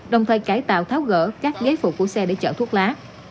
đồng thời cải tạo tháo gỡ các ghế phụ của xe để chở thuốc lá